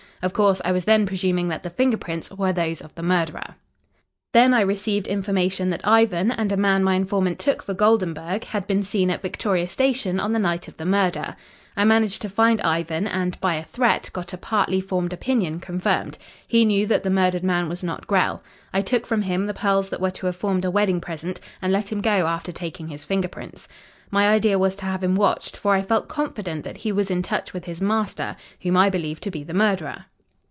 Of course, I was then presuming that the finger prints were those of the murderer. "Then I received information that Ivan and a man my informant took for Goldenburg had been seen at Victoria Station on the night of the murder. I managed to find Ivan and, by a threat, got a partly formed opinion confirmed. He knew that the murdered man was not Mr. Grell. I took from him the pearls that were to have formed a wedding present, and let him go after taking his finger prints. My idea was to have him watched, for I felt confident that he was in touch with his master whom I believed to be the murderer.